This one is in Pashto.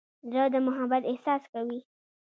زړه د محبت احساس کوي.